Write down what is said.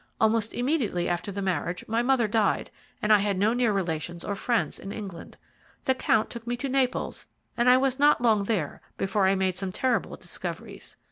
Almost immediately after the marriage my mother died, and I had no near relations or friends in England. The Count took me to Naples, and I was not long there before I made some terrible discoveries.